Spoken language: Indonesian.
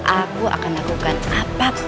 aku akan lakukan apapun yang aku mau